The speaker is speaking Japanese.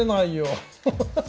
ハハハッ。